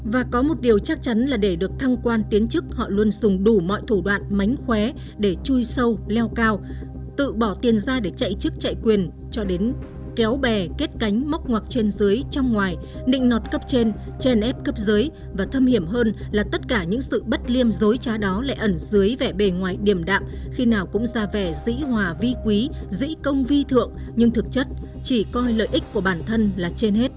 và có một điều chắc chắn là để được thăng quan tiến chức họ luôn dùng đủ mọi thủ đoạn mánh khóe để chui sâu leo cao tự bỏ tiền ra để chạy chức chạy quyền cho đến kéo bè kết cánh móc ngoặc trên dưới trong ngoài nịnh nọt cấp trên chèn ép cấp dưới và thâm hiểm hơn là tất cả những sự bất liêm dối trá đó lại ẩn dưới vẻ bề ngoài điềm đạm khi nào cũng ra vẻ dĩ hòa vi quý dĩ công vi thượng nhưng thực chất chỉ coi lợi ích của bản thân là trên hết